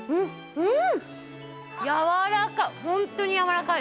うん。